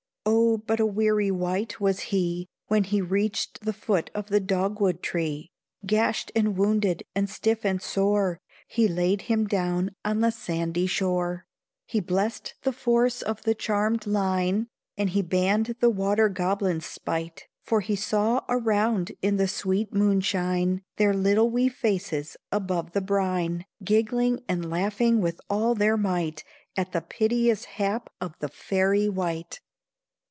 Oh! but a weary wight was he When he reached the foot of the dog wood tree; Gashed and wounded, and stiff and sore, He laid him down on the sandy shore; He blessed the force of the charmed line, And he banned the water goblin's spite, For he saw around in the sweet moonshine, Their little wee faces above the brine, Giggling and laughing with all their might At the piteous hap of the Fairy wight.